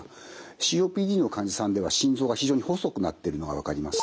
ＣＯＰＤの患者さんでは心臓が非常に細くなってるのが分かります。